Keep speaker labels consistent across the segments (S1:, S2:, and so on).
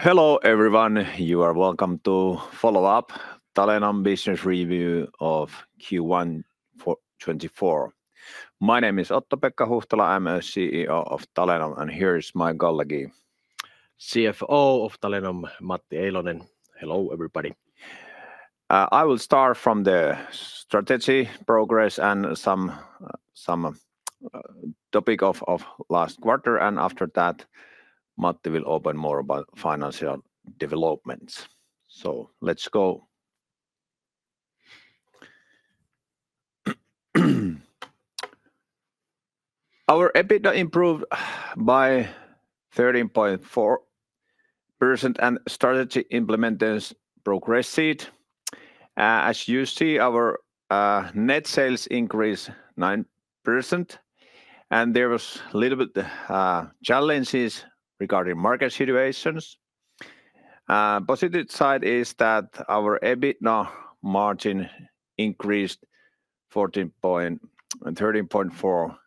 S1: Hello everyone, you are welcome to follow up Talenom Business Review of Q1 2024. My name is Otto-Pekka Huhtala, I'm CEO of Talenom, and here is my colleague, CFO of Talenom, Matti Eilonen. Hello everybody. I will start from the strategy progress and some topic of last quarter, and after that Matti will open more about financial developments. So let's go. Our EBITDA improved by 13.4% and strategy implementation progressed. As you see, our net sales increased 9%, and there were a little bit of challenges regarding market situations. Positive side is that our EBITDA margin increased 13.4%,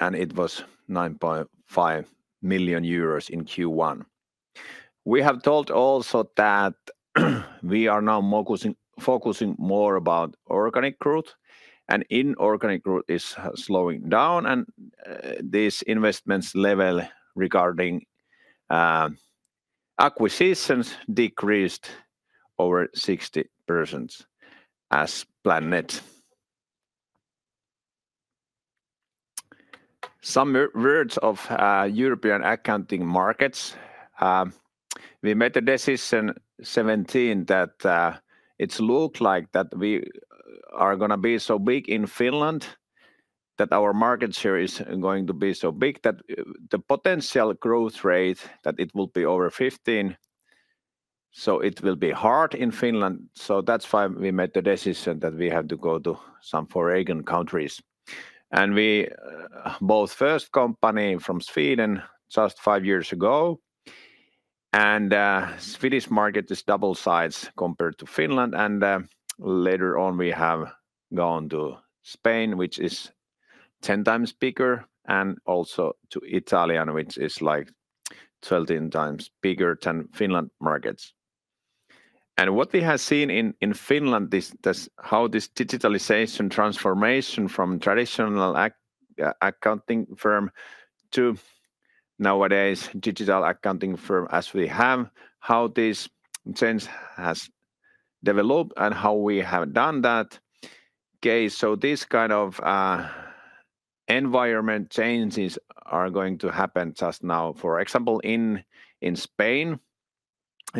S1: and it was 9.5 million euros in Q1. We have told also that we are now focusing more on organic growth, and inorganic growth is slowing down, and this investment level regarding acquisitions decreased over 60% as planned. Some words of European accounting markets. We made the decision in 2017 that it looked like we were going to be so big in Finland that our market share was going to be so big that the potential growth rate would be over 15%, so it would be hard in Finland. So that's why we made the decision that we had to go to some foreign countries. And we bought first company from Sweden just 5 years ago, and the Swedish market is double size compared to Finland. And later on we have gone to Spain, which is 10 times bigger, and also to Italy, which is like 12 times bigger than Finland markets. And what we have seen in Finland is how this digitalization transformation from traditional accounting firm to nowadays digital accounting firm as we have, how this change has developed and how we have done that. So these kinds of environment changes are going to happen just now. For example, in Spain,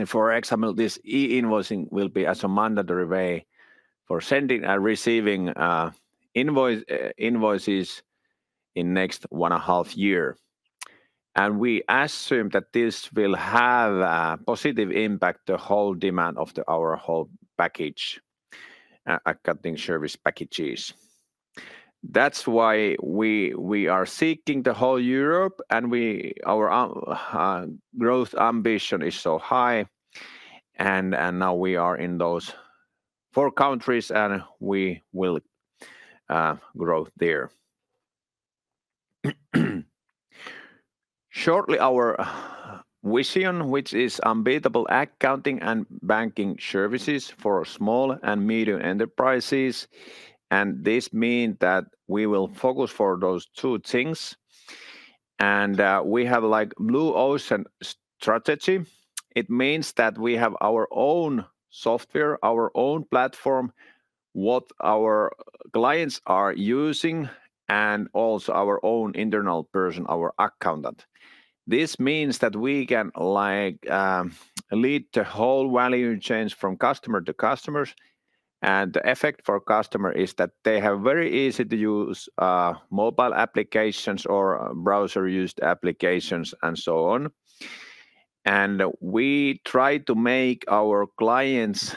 S1: for example, this e-invoicing will be a mandatory way for sending and receiving invoices in the next 1.5 years. We assume that this will have a positive impact on our whole package, accounting service packages. That's why we are seeking the whole Europe, and our growth ambition is so high. Now we are in those four countries, and we will grow there. Shortly, our vision, which is unbeatable accounting and banking services for small and medium enterprises. This means that we will focus on those two things. We have a Blue Ocean Strategy. It means that we have our own software, our own platform, what our clients are using, and also our own internal person, our accountant. This means that we can lead the whole value chain from customer-to-customer. The effect for customer is that they have very easy-to-use mobile applications or browser-used applications and so on. We try to make our clients'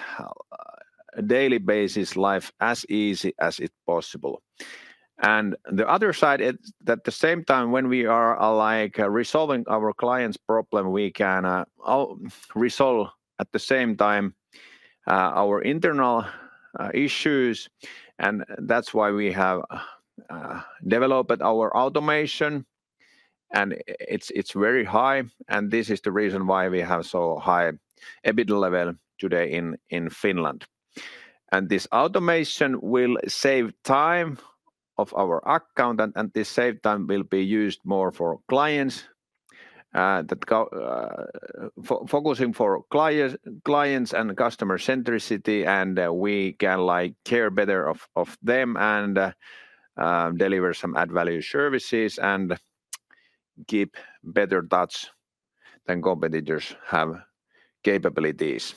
S1: daily basis life as easy as it's possible. The other side is that at the same time when we are resolving our clients' problem, we can resolve at the same time our internal issues. That's why we have developed our automation. It's very high, and this is the reason why we have so high EBITDA level today in Finland. This automation will save time of our accountant, and this saved time will be used more for clients, focusing on clients and customer centricity, and we can care better for them and deliver some added value services and keep better touch than competitors have capabilities.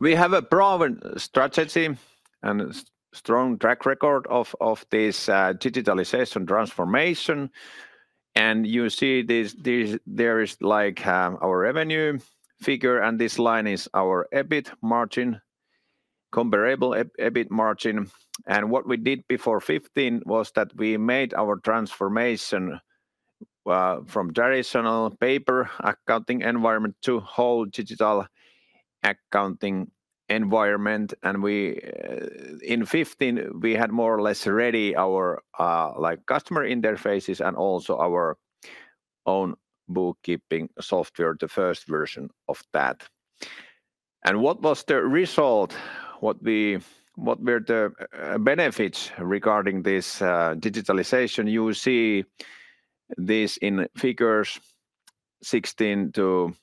S1: We have a proven strategy and strong track record of this digitalization transformation. You see there is our revenue figure, and this line is our EBIT margin, comparable EBIT margin. What we did before 2015 was that we made our transformation from traditional paper accounting environment to whole digital accounting environment. In 2015, we had more or less ready our customer interfaces and also our own bookkeeping software, the first version of that. What was the result, what were the benefits regarding this digitalization? You see this in figures 2016-2020,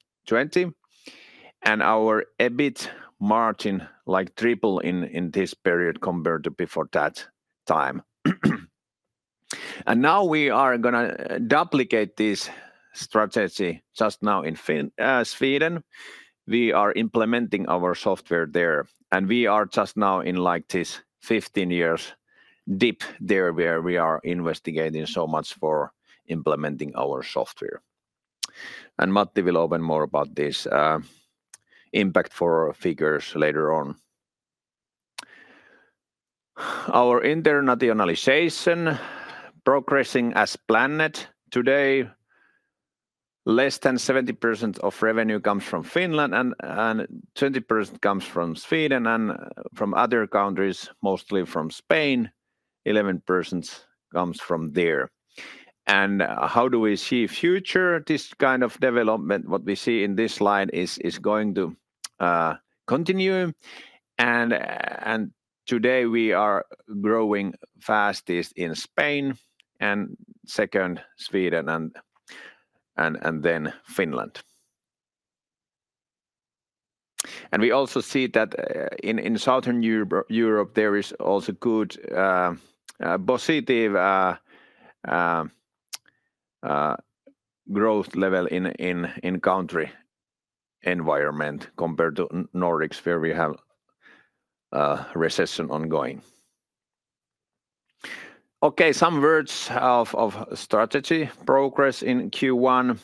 S1: and our EBIT margin tripled in this period compared to before that time. Now we are going to duplicate this strategy just now in Sweden. We are implementing our software there, and we are just now in this 15-year dip there where we are investing so much for implementing our software. Matti will open more about this impact for figures later on. Our internationalization is progressing as planned today. Less than 70% of revenue comes from Finland, and 20% comes from Sweden and from other countries, mostly from Spain. 11% comes from there. And how do we see the future? This kind of development, what we see in this line, is going to continue. Today we are growing fastest in Spain and second, Sweden, and then Finland. We also see that in Southern Europe, there is also a good positive growth level in the country environment compared to the Nordics where we have a recession ongoing. Okay, some words of strategy progress in Q1.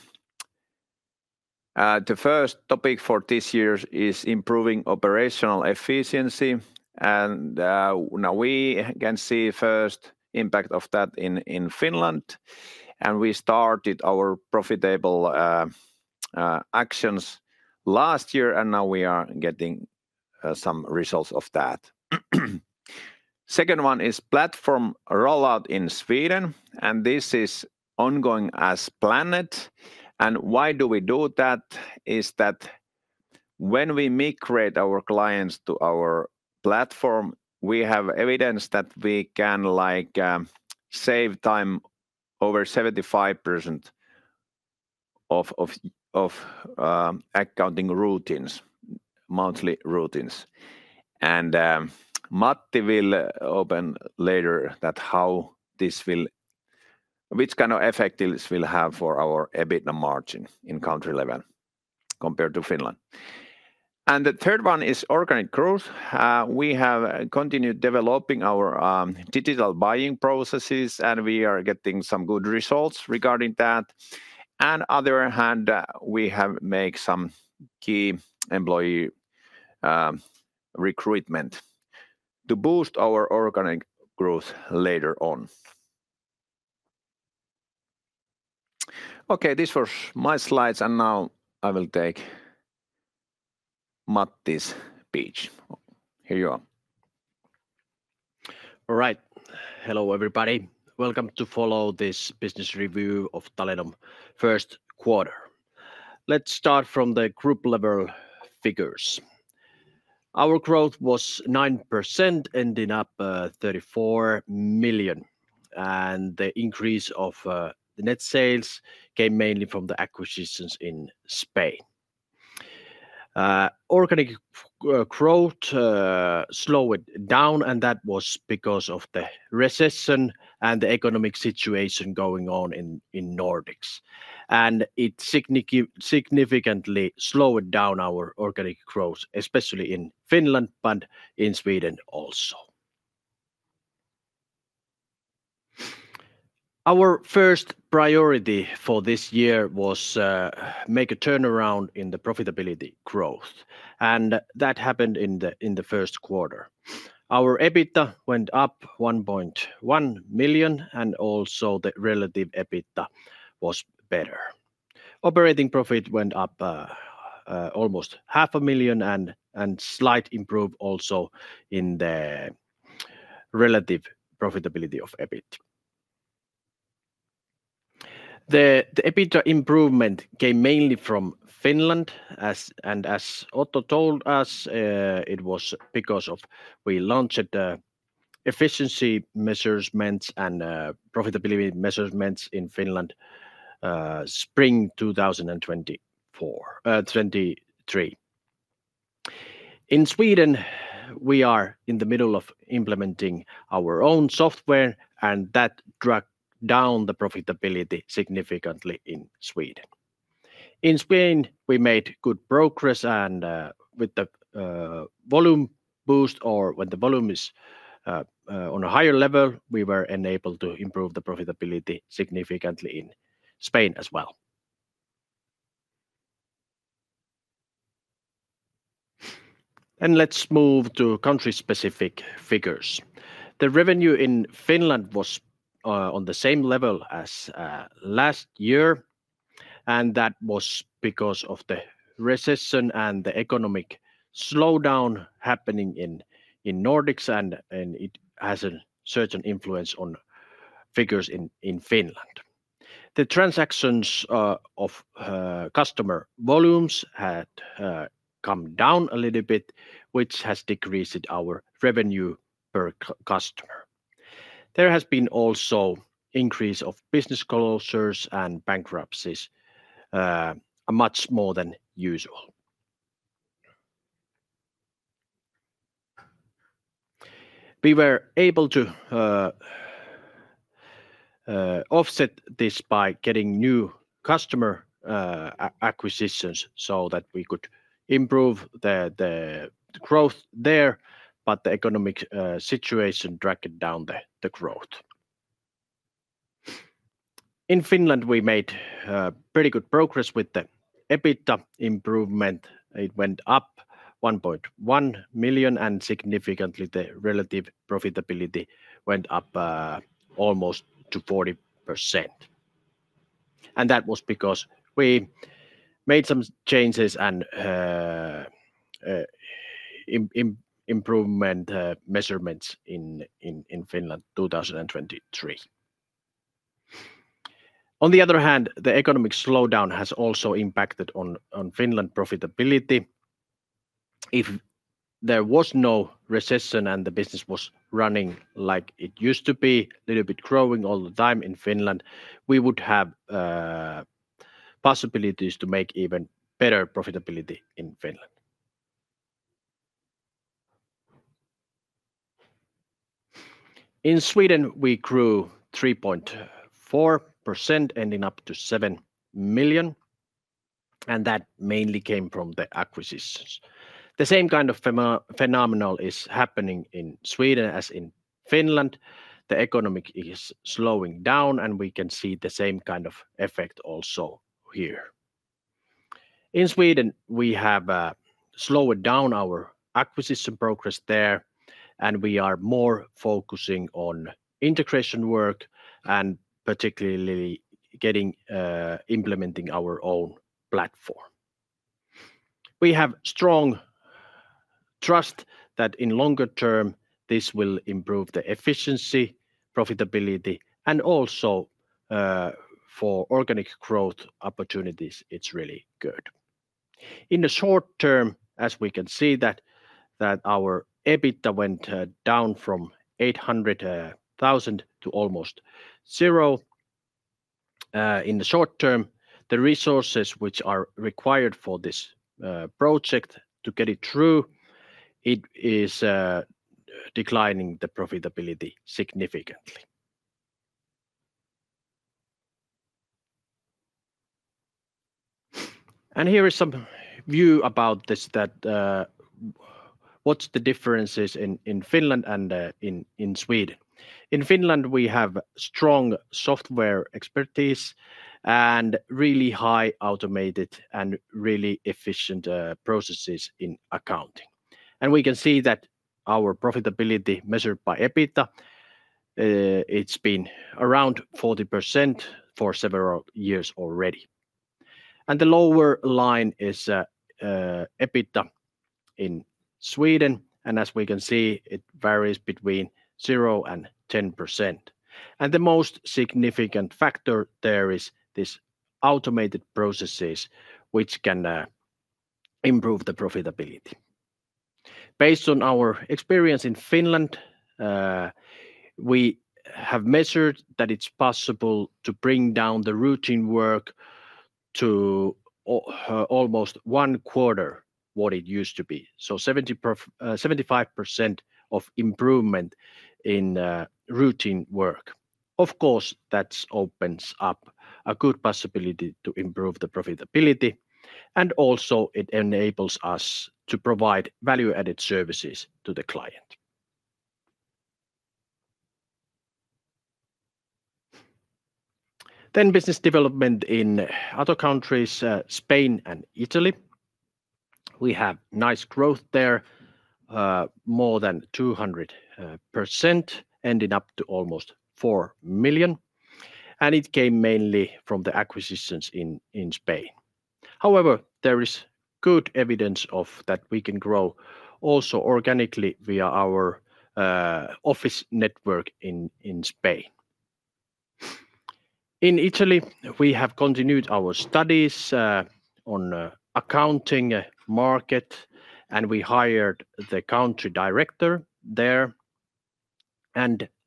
S1: The first topic for this year is improving operational efficiency. Now we can see the first impact of that in Finland. We started our profitable actions last year, and now we are getting some results of that. The second one is platform rollout in Sweden, and this is ongoing as planned. Why do we do that? It's that when we migrate our clients to our platform, we have evidence that we can save time over 75% of accounting routines, monthly routines. Matti will open later on which kind of effect this will have for our EBITDA margin in country level compared to Finland. The third one is organic growth. We have continued developing our digital buying processes, and we are getting some good results regarding that. On the other hand, we have made some key employee recruitment to boost our organic growth later on. Okay, these were my slides, and now I will take Matti's speech. Here you are.
S2: All right. Hello everybody. Welcome to follow this business review of Talenom first quarter. Let's start from the group level figures. Our growth was 9%, ending up at 34 million, and the increase of the net sales came mainly from the acquisitions in Spain. Organic growth slowed down, and that was because of the recession and the economic situation going on in the Nordics. It significantly slowed down our organic growth, especially in Finland, but in Sweden also. Our first priority for this year was to make a turnaround in the profitability growth, and that happened in the first quarter. Our EBITDA went up 1.1 million, and also the relative EBITDA was better. Operating profit went up almost 500,000 and a slight improve also in the relative profitability of EBIT. The EBITDA improvement came mainly from Finland. As Otto told us, it was because we launched the efficiency measurements and profitability measurements in Finland in spring 2023. In Sweden, we are in the middle of implementing our own software, and that dragged down the profitability significantly in Sweden. In Spain, we made good progress, and with the volume boost, or when the volume is on a higher level, we were enabled to improve the profitability significantly in Spain as well. Let's move to country-specific figures. The revenue in Finland was on the same level as last year, and that was because of the recession and the economic slowdown happening in the Nordics, and it has a certain influence on figures in Finland. The transactions of customer volumes had come down a little bit, which has decreased our revenue per customer. There has been also an increase in business closures and bankruptcies, much more than usual. We were able to offset this by getting new customer acquisitions so that we could improve the growth there, but the economic situation dragged down the growth. In Finland, we made pretty good progress with the EBITDA improvement. It went up 1.1 million, and significantly the relative profitability went up almost to 40%. And that was because we made some changes and improvement measurements in Finland in 2023. On the other hand, the economic slowdown has also impacted on Finland's profitability. If there was no recession and the business was running like it used to be, a little bit growing all the time in Finland, we would have possibilities to make even better profitability in Finland. In Sweden, we grew 3.4%, ending up to 7 million, and that mainly came from the acquisitions. The same kind of phenomenon is happening in Sweden as in Finland. The economy is slowing down, and we can see the same kind of effect also here. In Sweden, we have slowed down our acquisition progress there, and we are more focusing on integration work and particularly implementing our own platform. We have strong trust that in the longer term, this will improve the efficiency, profitability, and also for organic growth opportunities. It's really good. In the short term, as we can see that our EBITDA went down from 800,000 to almost zero. In the short term, the resources which are required for this project to get it through, it is declining the profitability significantly. Here is some view about this, what the differences are in Finland and in Sweden. In Finland, we have strong software expertise and really highly automated and really efficient processes in accounting. We can see that our profitability measured by EBITDA, it's been around 40% for several years already. The lower line is EBITDA in Sweden, and as we can see, it varies between 0%-10%. The most significant factor there is these automated processes, which can improve the profitability. Based on our experience in Finland, we have measured that it's possible to bring down the routine work to almost one quarter of what it used to be. So 75% of improvement in routine work. Of course, that opens up a good possibility to improve the profitability, and also it enables us to provide value-added services to the client. Business development in other countries, Spain and Italy. We have nice growth there, more than 200%, ending up to almost 4 million. It came mainly from the acquisitions in Spain. However, there is good evidence of that we can grow also organically via our office network in Spain. In Italy, we have continued our studies on the accounting market, and we hired the country director there.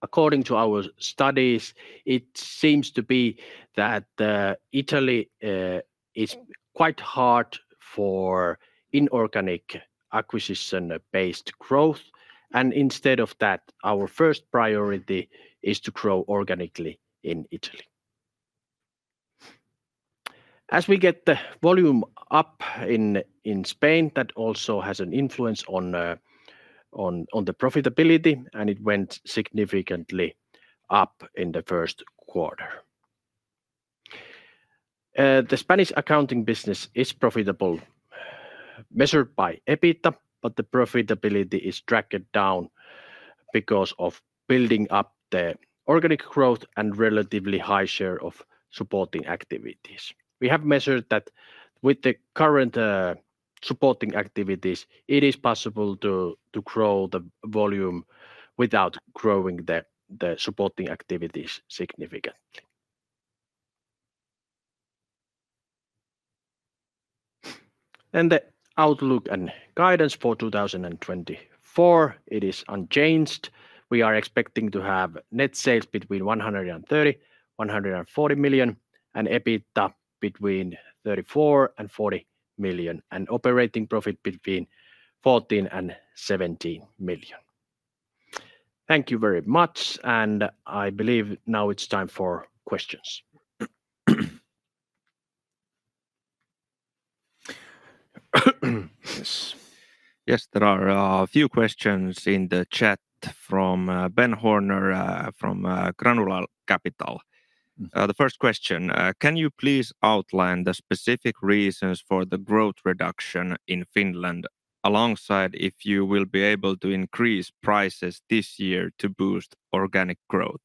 S2: According to our studies, it seems to be that Italy is quite hard for inorganic acquisition-based growth. Instead of that, our first priority is to grow organically in Italy. As we get the volume up in Spain, that also has an influence on the profitability, and it went significantly up in the first quarter. The Spanish accounting business is profitable, measured by EBITDA, but the profitability is dragged down because of building up the organic growth and relatively high share of supporting activities. We have measured that with the current supporting activities, it is possible to grow the volume without growing the supporting activities significantly. The outlook and guidance for 2024, it is unchanged. We are expecting to have net sales between 130 million and 140 million, and EBITDA between 34 million and 40 million, and operating profit between 14 million and 17 million. Thank you very much, and I believe now it's time for questions.
S3: Yes, there are a few questions in the chat from Ben Horner from Granular Capital. The first question: can you please outline the specific reasons for the growth reduction in Finland, alongside if you will be able to increase prices this year to boost organic growth?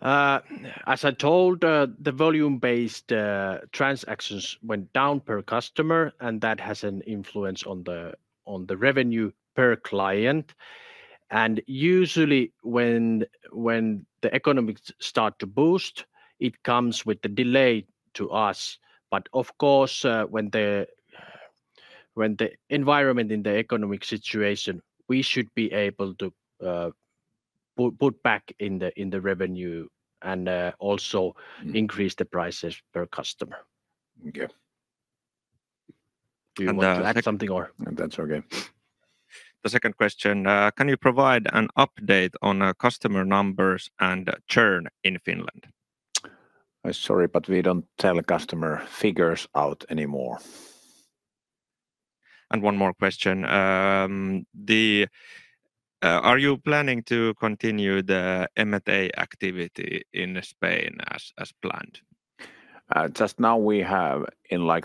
S2: As I told, the volume-based transactions went down per customer, and that has an influence on the revenue per client. Usually when the economics start to boost, it comes with a delay to us. Of course, when the environment in the economic situation, we should be able to put back in the revenue and also increase the prices per customer.
S3: Okay. Do you want to add something or?
S1: That's okay.
S3: The second question, can you provide an update on customer numbers and churn in Finland?
S1: I'm sorry, but we don't tell customer figures out anymore.
S3: One more question. Are you planning to continue the M&A activity in Spain as planned?
S1: Just now we have a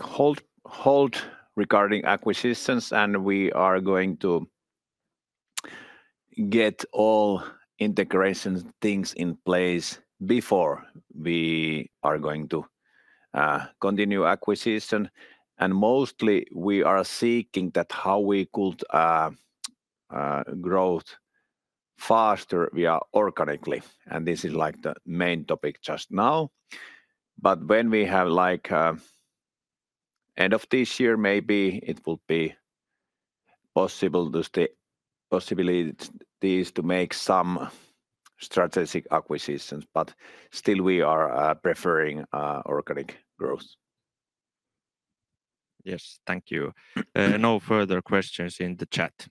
S1: hold regarding acquisitions, and we are going to get all integration things in place before we are going to continue acquisition. And mostly we are seeking how we could grow faster via organically, and this is the main topic just now. But when we have the end of this year, maybe it will be possible to make some strategic acquisitions, but still we are preferring organic growth.
S3: Yes, thank you. No further questions in the chat.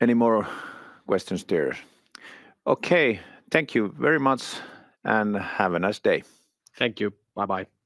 S1: Any more questions there? Okay, thank you very much, and have a nice day.
S3: Thank you. Bye-bye.